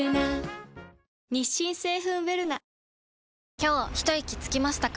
今日ひといきつきましたか？